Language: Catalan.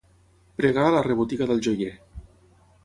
Pregar a la rebotiga del joier.